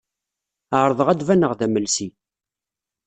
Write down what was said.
Ɛerḍeɣ ad d-baneɣ d amelsi.